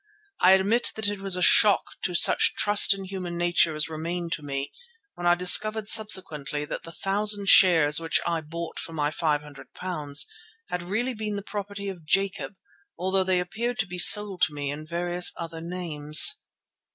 I admit that it was a shock to such trust in human nature as remained to me when I discovered subsequently that the 1,000 shares which I bought for my £500 had really been the property of Jacob, although they appeared to be sold to me in various other names.